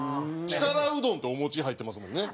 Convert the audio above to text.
力うどんってお餅入ってますもんね。